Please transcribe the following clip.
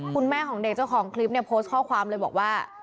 คุณแม่ของเด็กเจ้าของคลิปเนี่ยโพสต์ข้อความเลยบอกว่า